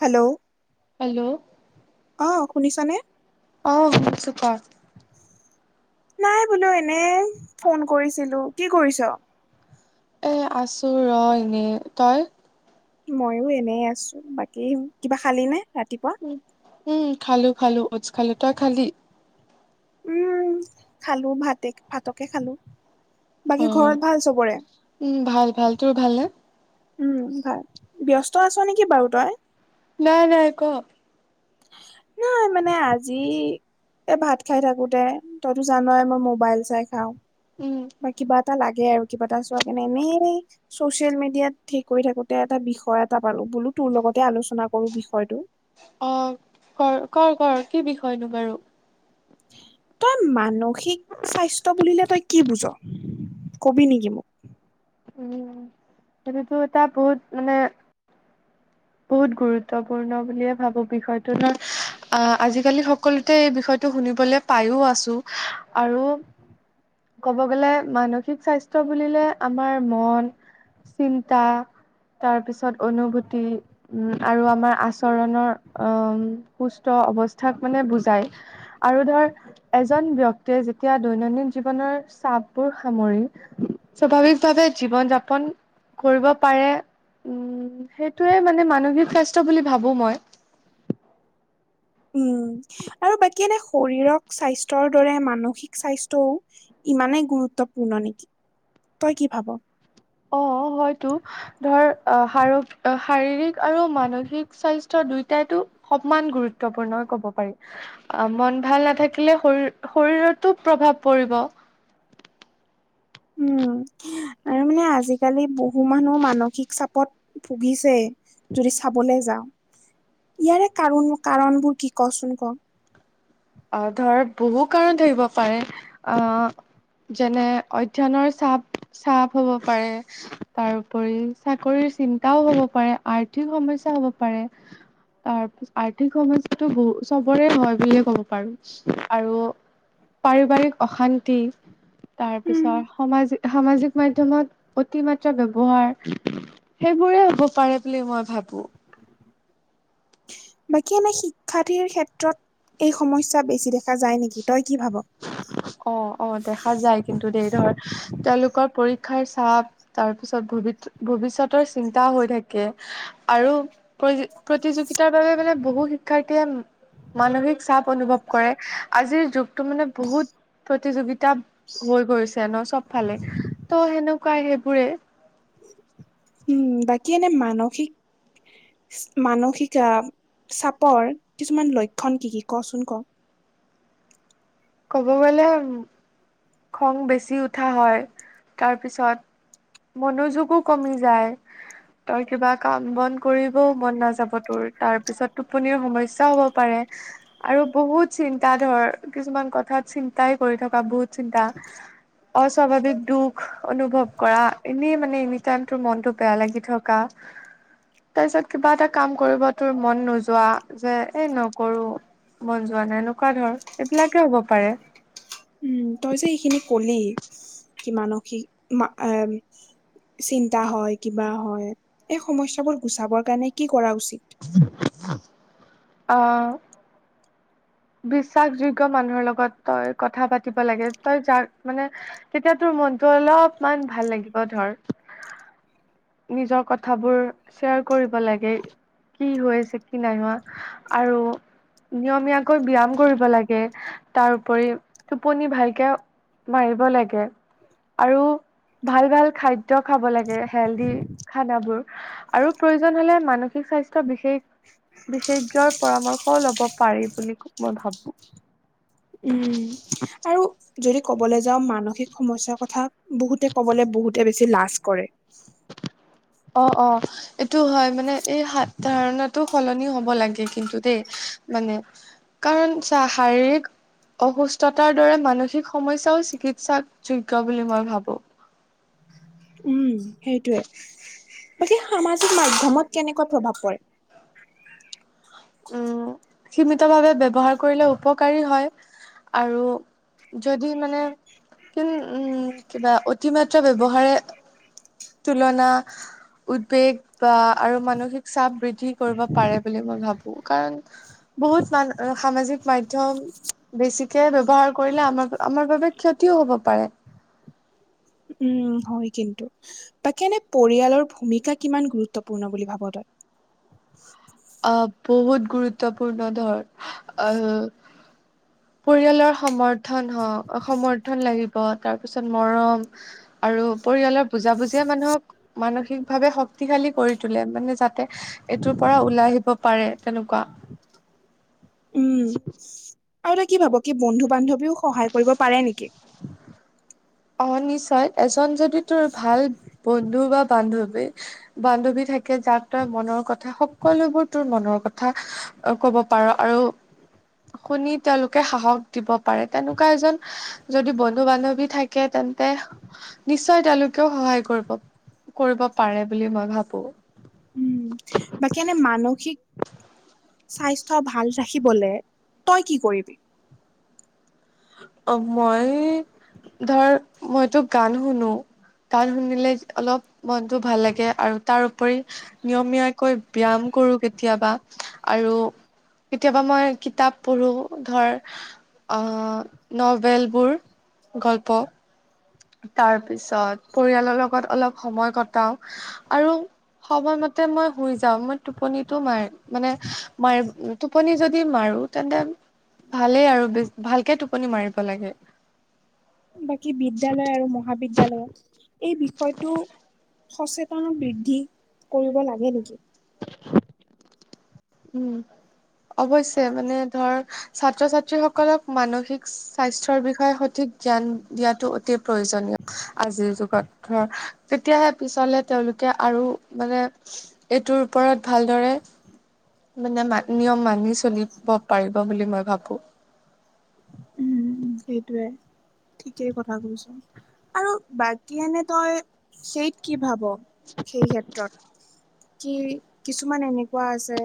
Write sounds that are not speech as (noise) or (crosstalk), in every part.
Hello hello অ শুনিছ নে? অ শুনিছোঁ ক? নাই বোলো এনে ফোন কৰিছিলো। কি কৰিছ? এই আছোঁ ৰ এনেই। তই? মইয়ো এনেই আছো। বাকী কিবা খালি নে ৰাতিপুৱা? উম খালো খালো ঔজ খালো। তই খালী? উম খালো ভাতে ভাতকে খালো। অ বাকী ঘৰত ভাল চবৰে? উম ভাল ভাল। তোৰ ভাল নে? উম ভাল ব্যস্ত আছ নেকি বাৰু তই? নাই নাই। ক? (inaudible) অই মানে আজি এই ভাত খাই থাকোতে তইতো জানই মই মোবাইল চাই খাওঁ। উম, বা কিবা এটা লাগে আৰু কিবা এটা চোৱা কেনে এনেই ছ'চিয়েল মিডিয়াত ঠিক কৰি থাকোতে এটা বিষয় এটা পালো বোলো তোৰ লগতে আলোচনা কৰো বিষয়টো। অ কৰ কৰ কৰ কি বিষয়নো বাৰু? তই মানসিক স্বাস্থ্য বুলিলে তই কি বুজ কবি নেকি মোক? উম সেইটোতো এটা বহুত মানে বহুত গুৰুত্বপূৰ্ণ বুলিয়ে ভাবো বিষয়টো ন। আহ আজিকালি সকলোতে এই বিষয়টো শুনিবলৈ পাইয়ো আছো আৰু ক'ব গ'লে মানসিক স্বাস্থ্য বুলিলে আমাৰ মন চিন্তা তাৰপিছত অনুভূতি উম আৰু আমাৰ আচৰণৰ অম সুস্থ অৱস্থাক মানে বুজাই। আৰু ধৰ এজন ব্যক্তিয়ে যেতিয়া দৈনন্দিন জীৱনৰ চাপবোৰ সামৰি স্বাভাৱিক ভাৱে জীৱন যাপন কৰিব পাৰে উম সেইটোয়ে মানে মানসিক স্বাস্থ্য বুলি ভাবো মই। উম আৰু বাকী এনে শৰীৰক স্বাস্থ্যৰ দৰে মানসিক স্বাস্থ্যও ইমানেই গুৰুত্বপূৰ্ণ নেকি। তই কি ভাব? অ হয়তো ধৰ আহ শাৰ শাৰীৰিক আৰু মানসিক স্বাস্থ্য দুইটাইটো সপমান গুৰুত্বপূৰ্ণই ক'ব পাৰি। অ মন ভাল নাথাকিলে শৰ শৰীৰতো প্ৰভাৱ পৰিব। উম আৰু মানে আজিকালি বহু মানুহ মানসিক চাপত। ভুগিছে যদি চাবলৈ যাওঁ। ইয়াৰে কাৰণ কাৰণবোৰ কি কচোন ক? অ ধৰ বহু কাৰণ ধৰিব পাৰে অহ। যেনে অধ্যয়নৰ চাপ চাপ হ'ব পাৰে। তাৰ উপৰি চাকৰিৰ চিন্তাও হ'ব পাৰে, আৰ্থিক সমস্যা হ'ব পাৰে। তাৰ পিছত আৰ্থিক সমস্যাটো বহুত চবৰে হয় বুলিয়ে ক'ব পাৰোঁ, আৰু পাৰিবাৰিক অশান্তি। উম, তাৰপিছত সমাজ-সামাজিক মাধ্যমত অতিমাত্ৰা ব্যৱহাৰ। সেইবোৰে হ'ব পাৰে বুলি মই ভাবো। বাকী, এনে শিক্ষাৰ্থীৰ ক্ষেত্ৰত এই সমস্যা বেছি দেখা যায় নেকি? তই কি ভাব? অ' অ', দেখা যায় কিন্তু দেই। ধৰ, তেওঁলোকৰ পৰীক্ষাৰ চাপ তাৰপিছত ভ-ভৱিষ্যতৰ চিন্তা হৈ থাকে। আৰু প্ৰতিযোগিতাৰ বাবে মানে বহু শিক্ষাৰ্থীয়ে মানসিক চাপ অনুভৱ কৰে, আজিৰ যুগ তটো মানে বহুত প্ৰতিযোগিতা হৈ গৈছে ন চব ফালে, ত' সেন উকাই সেইবোৰে। উম, বাকী এনে মানসিক মানসিক চাপৰ কিছুমান লক্ষণ কি কি, কচোন ক? ক'ব গলে খং বেছি উঠা হয়, তাৰপিছত মনোযোগো কমি যায়, তই কিবা কাম বন কৰিবও মন নাযাব তোৰ, তাৰ পিছত টোপনিৰ সমস্যাও হ'ব পাৰে। আৰু বহুত চিন্তা ধৰ, কিছুমান কথাত চিন্তাই কৰি থকা-বহুত চিন্তা। অস্বাভাৱিক দুখ অনুভৱ কৰা, এনেই মানে এনি টাইম তোৰ মনটো বেয়া লাগি থকা। (inaudible) তাৰপিছত কিবা এটা কাম কৰিব তোৰ মন নোযোৱা, যে-এই নকৰোঁ। মন যোৱা নাই, এনেকুৱা ধৰ এইবিলাকে হ'ব পাৰে। উম, তই যে এইখিনি কলি, কি মানসিক এ চিন্তা হয়, কিবা হয়, এই সমস্যাবোৰ গুচাবৰ কাৰণে কি কৰা উচিত? অ' বিশ্বাসযোগ্য মানুহৰ লগত তই কথা পাতিব লাগে, তই যাক মানে তেতিয়া তোৰ মনটো অলপমান ভাল লাগিব ধৰ। নিজৰ কথাবোৰ শ্বেয়াৰ কৰিব লাগে। কি হৈ আছে, কি নাই হোৱা, আৰু নিয়মীয়া কৈ ব্যয়াম কৰিব লাগে, তাৰ উপৰি টোপনি ভালকে মাৰিব লাগে। আৰু ভাল ভাল খাদ্য খাব লাগে, হেলদি খানাবোৰ। আৰু প্ৰয়োজন হ'লে মানসিক স্বাস্থ্য বিশেষ বিশেষজ্ঞৰ পৰামৰ্শ ল'ব পাৰি বুলি মই ভাবোঁ। উম। আৰু যদি কবলৈ যাওঁ, মানসিক সমস্যাৰ কথা বহুতে কবলে বহুতে বেছি লাজ কৰে। অ' অ', এইটো হয়। মানে, এই সাত ধাৰণাটো সলনি হ'ব লাগে। কিন্তু দেই, মানে কাৰণ চা, শাৰীৰিক অসুস্থতাৰ দৰে মানসিক সমস্যাও চিকিৎসা যোগ্য বুলি মই ভাবোঁ। উম, সেইটোৱে বাকী সামাজিক মধ্যমত কেনেকুৱা প্ৰভাৱ পৰে? উম, সীমিতভাৱে ব্যৱহাৰ কৰিলে উপকাৰী হয়। আৰু যদি মানে কিন উম, কিবা অতিমাত্ৰা ব্যৱহাৰে তুলনা, উদ্বেগ বা আৰু মানসিক চাপ বৃদ্ধি কৰিব পাৰে বুলি মই ভাবোঁ, কাৰণ বহুত মান সামাজিক মাধ্যম বেছি চে ব্যৱহাৰ কৰিলে আমাৰ আমাৰ বাবে ক্ষতিও হব পাৰে উম হয় কিন্তু বাকী এনে পৰিয়ালৰ ভূমিকা কিমান গুৰুত্বপূৰ্ণ বুলি ভাব তই আহ বহুত গুৰুত্বপূৰ্ণ ধৰ আহ পৰিয়ালৰ সমৰ্থন হওঁ সমৰ্থন লাগিব তাৰপিছত মৰম আৰু পৰিয়ালৰ বুজাবুজিয়ে মানুহক মানসিকভাৱে শক্তিশালী কৰি তোলে মানে জাত এইটোৰ পৰা ওলাই আহিব পাৰে তেনুকা উম আৰু তই কি ভাব কি বন্ধু বান্ধৱীও সহায় কৰিব পাৰে নিকি অহ নিশ্চয় এজন যদি তোৰ ভাল বন্ধু বা বান্ধৱী বান্ধৱী থাকে যাক তই মনৰ কথা সকলোবোৰ তোৰ মনৰ কথা অ ক'ব পাৰ আৰু শুনি তেওঁলোকে সাহস দিব পাৰে তেনেকুৱা এজন যদি বন্ধু বান্ধৱী থাকে তেন্তে নিশ্চয় তেওঁলোকেও সহায় কৰিব কৰিব পাৰে বুলি মই ভাবো উম বাকী এনে মানসিক স্বাস্থ্য ভাল ৰাখিবলে তই কি কৰিবি অ মই ধৰ মইতো গান শুনো গান শুনিলে অলপ মনটো ভাল লাগে আৰু তাৰ উপৰি নিয়মীয়াকৈ ব্যয়াম কৰো কেতিয়াবা আৰু কেতিয়াবা মই কিতাপ পঢ়ো ধৰ অ নভেলবোৰ গল্প তাৰপিছত পৰিয়ালৰ লগত অলপ সময় কটাও আৰু সময়মতে মই শুই যাওঁ মই টোপনিতো মাৰ মানে মাৰ টোপনি যদি মাৰো তেন্তে ভালেই আৰু বেছ ভালকে টোপনি মাৰিব লাগে বাকী বিদ্যালয় আৰু মহাবিদ্যালয়ত এই বিষয়টো সচে (unintelligible) বৃদ্ধি কৰিব লাগে নেকি উম অৱশ্যে মানে ধৰ ছাত্ৰ ছাত্ৰী সকলক মানসিক স্বাস্থ্যৰ বিষয়ে সঠিক জ্ঞান দিয়াটো অতি প্ৰয়োজনীয় আজিৰ যুগত ধৰ তেতিয়াহে পিছলে তেওঁলোকে আৰু মানে এইটোৰ ওপৰত ভালদৰে মানে মান নিয়ম মানি চলিব পাৰিব বুলি মই ভাবো সেইটোয়ে ঠিকেই কথা কৈছ আৰু বাকী এনে তই সেইত কি ভাব সেই ক্ষেত্ৰত কি কিছুমান এনেকুৱা আছে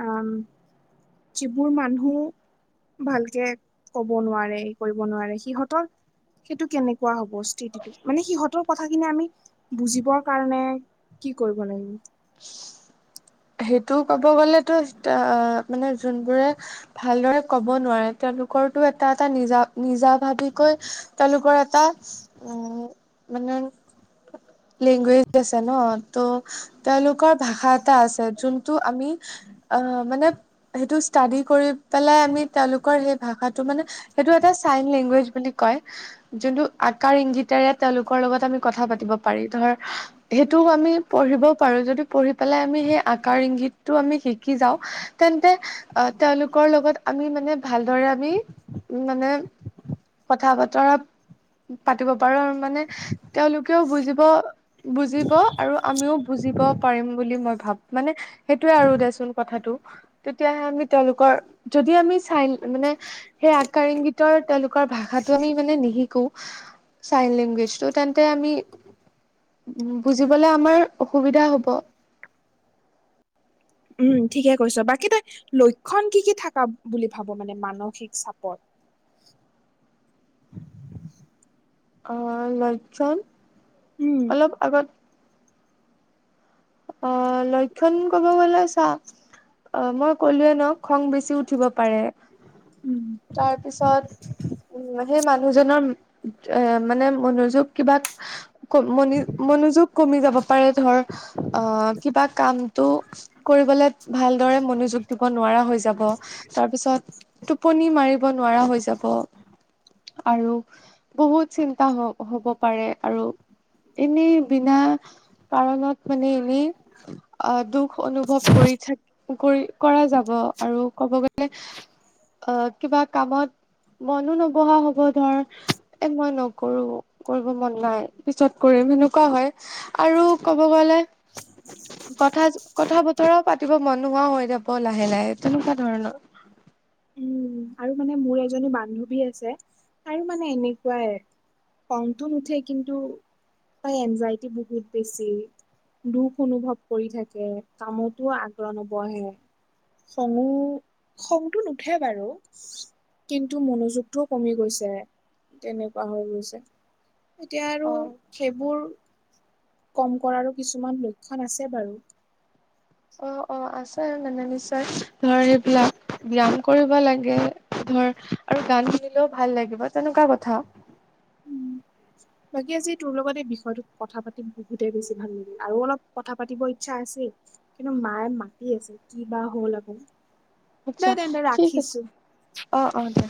আ-ম যিবোৰ মানুহ ভালকে ক'ব নোৱাৰে কৰিব নোৱাৰে সিহঁতৰ সেইটো কেনেকুৱা হ'ব স্থিতিটো মানে সিহঁতৰ কথাখিনি আমি বুজিবৰ কাৰণে কি কৰিব লাগিব সেইটো কব গ'লেতো তে আ মানে যোনবোৰে ভালদৰে কব নোৱাৰে তেওঁলোকৰটো এটা এটা নিজা নিজা ভাবিকৈ তেওঁলোকৰ এটা উম মানে লেংগুৱেজ আছে ন ত' তেওঁলোকৰ ভাষা এটা আছে যোনটো আমি অ মানে সেইটো ষ্টাডি কৰি পেলাই আমি তেওঁলোকৰ সেই ভাষাটো মানে সেইটো এটা চাইন লেংগুৱেজ বুলি কয় যোনটো আকাৰ ইংগিতেৰে তেওঁলোকৰ লগত আমি কথা পাতিব পাৰি ধৰ সেইটোও আমি পঢ়িবও পাৰোঁ, যদি পঢ়ি পেলাই আমি সেই আকাৰ ইংগিতটো আমি শিকি যাওঁ তেন্তে আ, তেওঁলোকৰ লগত আমি মানে ভালদৰে আমি উ, মানে কথা বতৰা পাতিব পাৰোঁ আৰু মানে তেওঁলোকেও বুজি ব বুজিব আৰু আমিও বুজিব পাৰিম বুলি মই ভাব মানে সেইটোয়ে আৰু দেচোন কথাটো, তেতিয়াহে আমি তেওঁলোকৰ, যদি আমি চাইল মানে সেই আকাৰিংগিতৰ তেওঁলোকৰ ভাষাটো আমি মানে নিশিকো চাইল লেংগুৱেজটো তেন্তে আমি বুজিবলে আমাৰ অসুবিধা হ'ব। উম, ঠিকে কৈছ। বাকী তই লক্ষণ কি কি থাকা বুলি ভাব মানে মানসিক চাপত? অ' লক্ষন, উম অলপ আগত অ' লক্ষণ কব গ'লে চা অ' মই ক'লোৱে ন' খং বেচি উঠিব পাৰে। উম। তাৰপিছত উ, সেই মানুহজনৰ এ, মানে মনোযোগ কিবা ক মনি-মনোযোগ কমি যাব পাৰে ধৰ আ, কিবা কামটো কৰিবলে ভালদৰে মনোযোগ দিব নোৱাৰা হৈ যাব তাৰপিছত পনি মাৰিব নোৱাৰা হৈ যাব। আৰু বহুত চিন্তা হ-হ'ব পাৰে আৰু। এনেই বিনা কাৰণত মানে এনেই আ, দুখ অনুভৱ কৰি থাক কৰি কৰা যাব আৰু ক'ব গ'লে অ' কিবা কামত মনো নবহা হ'ব ধৰ। এ, মই নকৰোঁ, কৰিব মন নাই, পিছত কৰিম সেনেকুৱা হয়। আৰু ক'ব গ'লে কথা কথা বতৰাও পাতিব মন নোহোৱা হৈ যাব লাহে লাহে, তেনেকুৱা ধৰণৰ। উম আৰু মানে মোৰ এজনী বান্ধৱী আছে তাইও মানে এনেকোৱায়েই। খঙটো নুঠে কিন্তু তাই এনজাইটি বহুত বেছি। দুখ অনুভৱ কৰি থাকে, কামতো আগ্ৰহ নবহে। খঙো খঙটো নো হে বাৰু কিন্তু মনোযোগটোও কমি গৈছে। তেনেকুৱা হৈ গৈছে। এতিয়া আৰু অ সেইবোৰ কম কৰাৰো কিছুমান লক্ষণ আছে বাৰু। অ' অ' আছে মানে নিশ্চয়, ধৰ এইবিলাক ব্যায়াম কৰিব লাগে ধৰ আৰু গান শুনিলেও ভাল লাগিব তেনেকুৱা কথা। বাকী আজি তোৰ লগতে এই বিষয়টোৰ কথা পাতি বহুতে বেছি ভাল লাগিল আৰু অলপ কথা পাতিবৰ ইচ্ছা আছেই। কিন্তু মায়ে মাতি আছে, কি বা হ'ল আকৌ। দে আচ্ছা, তেন্তে ঠিক আছে। ৰাখিছো। অ', অ' দিয়া।